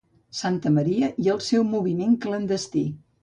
Santamaria i el seu "moviment" clandestí.